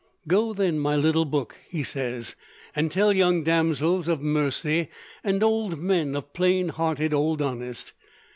"Go then, my little Book," he says, "and tell young damsels of Mercy, and old men of plain hearted old Honest.